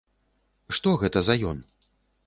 Што гэта за ён?